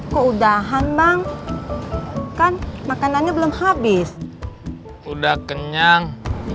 keudahan bang kan makanannya belum habis udah kenyang